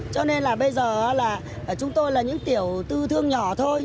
cho nên là bây giờ là chúng tôi là những tiểu tư thương nhỏ thôi